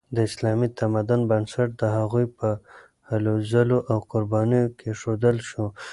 د اسلامي تمدن بنسټ د هغوی په هلو ځلو او قربانیو کیښودل شو.